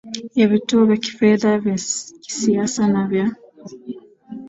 ya vituo vya kifedha vya kisiasa na vya